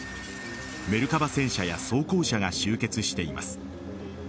メルカバ戦車や装甲車が集結しています。